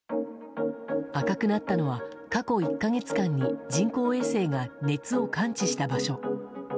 赤くなったのは過去１か月間に人工衛星が熱を感知した場所。